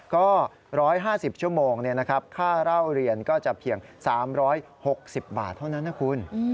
ก็๑๕๐ชั่วโมงค่าเล่าเรียนก็จะเพียง๓๖๐บาทเท่านั้นนะคุณ